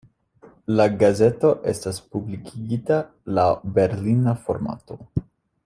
La gazeto estas publikigita laŭ berlina formato.